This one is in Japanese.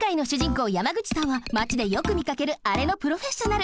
こう山口さんはマチでよくみかけるあれのプロフェッショナル。